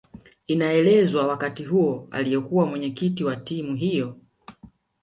Inaelezwa wakati huo aliyekuwa Mwenyekiti wa timu hiyo